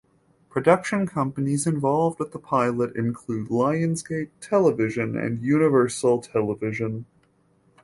Production companies involved with the pilot include Lionsgate Television and Universal Television.